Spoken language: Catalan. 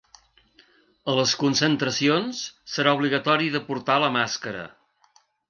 A les concentracions serà obligatori de portar la màscara.